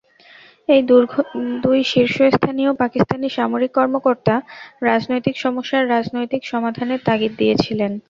এই দুই শীর্ষস্থানীয় পাকিস্তানি সামরিক কর্মকর্তা রাজনৈতিক সমস্যার রাজনৈতিক সমাধানের তাগিদ দিয়েছিলেন।